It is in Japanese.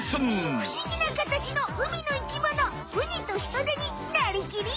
ふしぎなカタチの海の生きものウニとヒトデになりきり！